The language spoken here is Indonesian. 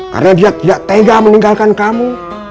karena dia tidak tega meninggalkan kamu